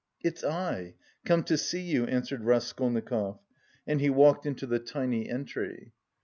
"It's I... come to see you," answered Raskolnikov and he walked into the tiny entry.